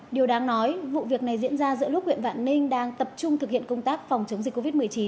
điều đáng nói vụ việc này diễn ra giữa lúc huyện vạn ninh đang tập trung thực hiện công tác phòng chống dịch covid một mươi chín